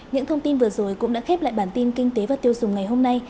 những thông tin vừa rồi cũng đã khép lại bản tin kinh tế và tiêu dùng ngày hôm nay